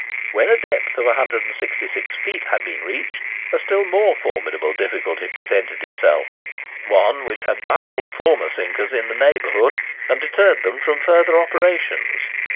When a depth of 166 feet had been reached, a still more formidable difficulty presented itself—one which had baffled former sinkers in the neighbourhood, and deterred them from further operations.